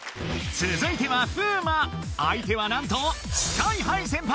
続いてはＦＵＭＡ相手はなんとＳＫＹ−ＨＩ先輩！